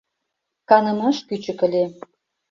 Канымаш кӱчык ыле.